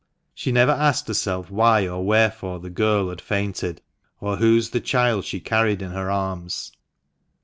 She never asked herself why or wherefore the girl had fainted, or whose the child she carried in her arms.